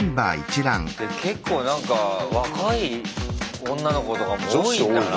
結構なんか若い女の子とかも多いんだな。